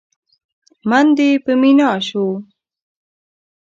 من دې په مينا شو؟!